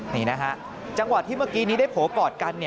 นี่นะฮะจังหวะที่เมื่อกี้นี้ได้โผล่กอดกัน